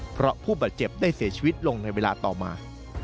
เพราะผู้บาดเจ็บได้เสียชีวิตลงในเวลาต่อมา